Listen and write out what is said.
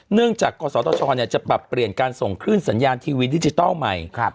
จากกศตชจะปรับเปลี่ยนการส่งคลื่นสัญญาณทีวีดิจิทัลใหม่